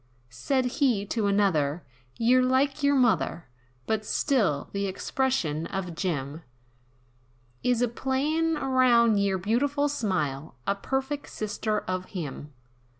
Said he to another, "Yer like yer mother, But still the expression of Jim, Is a playin' around yer beautiful smile, A perfeck sister of him.